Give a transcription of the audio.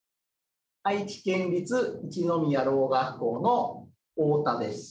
愛知県立一宮聾学校の太田です。